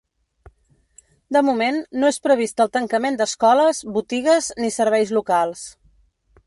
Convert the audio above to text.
De moment, no és previst el tancament d’escoles, botigues ni serveis locals.